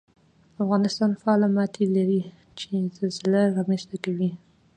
افغانستان فعاله ماتې لري چې زلزلې رامنځته کوي